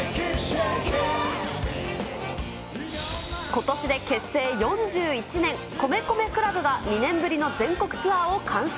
ことしで結成４１年、米米ＣＬＵＢが２年ぶりの全国ツアーを完走。